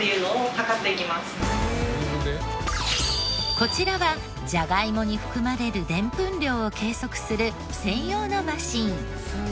こちらはジャガイモに含まれるデンプン量を計測する専用のマシン。